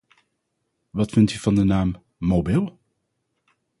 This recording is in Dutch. Wat vindt u van de naam "Mobil"?